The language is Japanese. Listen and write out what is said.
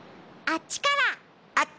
あっちから。